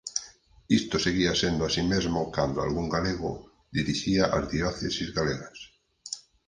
Isto seguía sendo así mesmo cando algún galego dirixía as dioceses galegas.